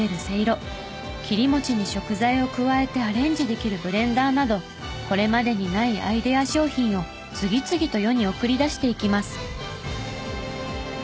せいろ切り餅に食材を加えてアレンジできるブレンダーなどこれまでにないアイデア商品を次々と世に送り出していきます。